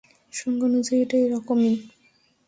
সংজ্ঞানুযায়ী, এটা এরকমই।